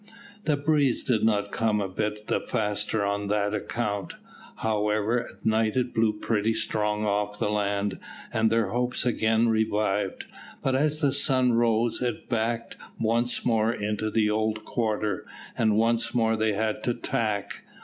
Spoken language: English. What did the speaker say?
The breeze did not come a bit the faster on that account. However, at night it blew pretty strong off the land, and their hopes again revived. But as the sun rose, it backed once more into its old quarter, and once more they had to tack.